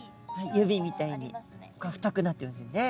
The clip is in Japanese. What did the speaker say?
指みたいに太くなってますよね。